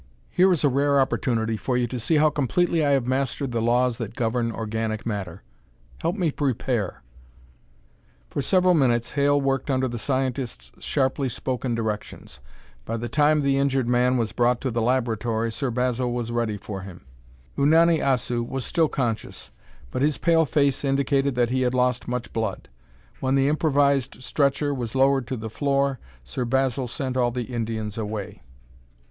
"Here is a rare opportunity for you to see how completely I have mastered the laws that govern organic matter. Help me prepare." For several minutes, Hale worked under the scientist's sharply spoken directions. By the time the injured man was brought to the laboratory, Sir Basil was ready for him. Unani Assu was still conscious, but his pale face indicated that he had lost much blood. When the improvised stretcher was lowered to the floor, Sir Basil sent all the Indians away.